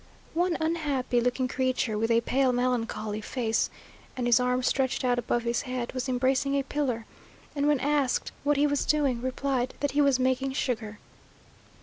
One unhappy looking creature, with a pale, melancholy face, and his arms stretched out above his head, was embracing a pillar, and when asked what he was doing, replied that he was "making sugar."